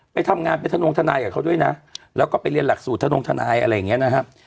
ไปทำงานเทราชงษ์ฐานายกับเขาด้วยนะและก็ไปเรียนหลักศูนย์เทรางฐานายอะไรอย่างเงี้ยนะครับ